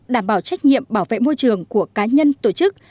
đảm bảo trách nhiệm bảo vệ môi trường của cá nhân tổ chức